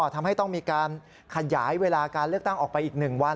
ทำให้ต้องมีการขยายเวลาการเลือกตั้งออกไปอีก๑วัน